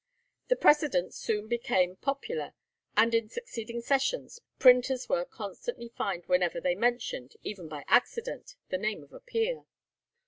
The precedent soon became popular, and in succeeding sessions printers were constantly fined whenever they mentioned, even by accident, the name of a peer.